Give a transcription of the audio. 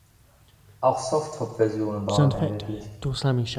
Auch Soft-Top-Versionen waren erhältlich.